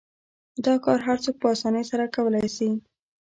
دا کار هر څوک په اسانۍ سره کولای شي.